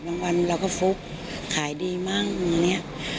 วันเราก็ฟกขายดีมั่งอย่างนี้